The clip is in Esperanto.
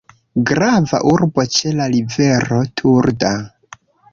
Grava urbo ĉe la rivero: Turda.